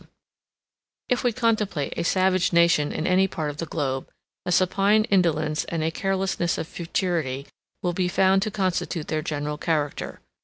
153, &c] If we contemplate a savage nation in any part of the globe, a supine indolence and a carelessness of futurity will be found to constitute their general character.